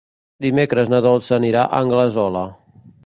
Dimecres na Dolça anirà a Anglesola.